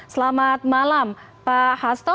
selamat malam pak hasto